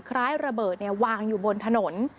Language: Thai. คล้ายระเบิดวางอยู่บนถนน